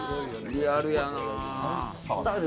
リアルやなあ。